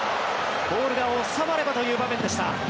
ボールが収まればという場面でした。